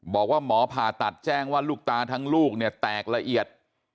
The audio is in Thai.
บอกว่าหมอผ่าตัดแจ้งว่าลูกตาทั้งลูกเนี่ยแตกละเอียด